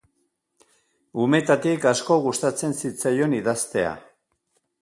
Umetatik asko gustatzen zitzaion idaztea.